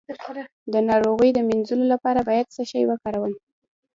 د ناروغۍ د مینځلو لپاره باید څه شی وکاروم؟